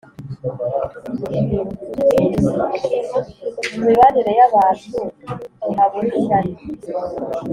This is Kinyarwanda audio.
Mu mibanire y’abantu ntihabura ishyari